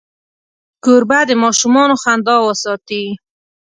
کوربه د ماشومانو خندا وساتي.